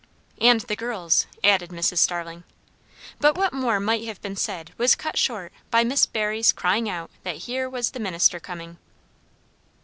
"And the girls" added Mrs. Starling. But what more might have been said was cut short by Miss Barry's crying out that here was the minister coming.